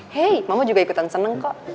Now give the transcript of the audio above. hei mama juga ikutan seneng kok